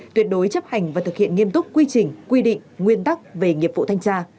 tuyệt đối chấp hành và thực hiện nghiêm túc quy trình quy định nguyên tắc về nghiệp vụ thanh tra